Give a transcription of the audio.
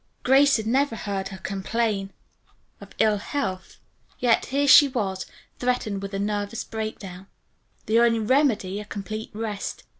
Grace had never heard her complain of ill health, yet here she was, threatened with a nervous breakdown. The only remedy, a complete rest.